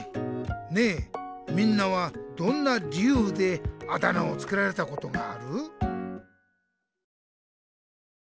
ねえみんなはどんな理由であだ名をつけられたことがある？